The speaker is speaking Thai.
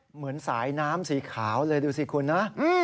เหมือนสายน้ำสีขาวเลยดูสิคุณนะ